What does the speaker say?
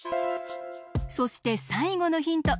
そしてさいごのヒント